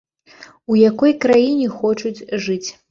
У якой краіне хочуць жыць.